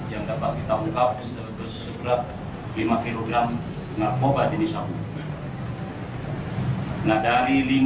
yang dapat ditangkap sebesar lima kg narkoba jenis sabu